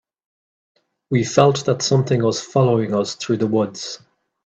We felt that something was following us through the woods.